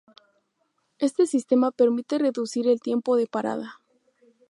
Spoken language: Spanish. Este sistema permite reducir el tiempo de parada.